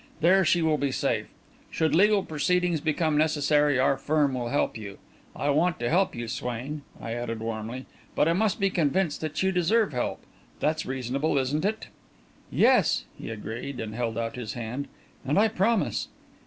There she will be safe. Should legal proceedings become necessary, our firm will help you. I want to help you, Swain," I added, warmly, "but I must be convinced that you deserve help. That's reasonable, isn't it?" "Yes," he agreed, and held out his hand. "And I promise."